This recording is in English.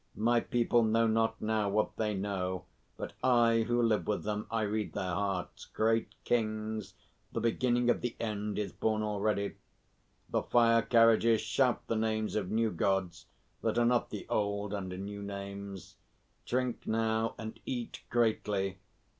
My people know not now what they know; but I, who live with them, I read their hearts. Great Kings, the beginning of the end is born already. The fire carriages shout the names of new Gods that are not the old under new names. Drink now and eat greatly!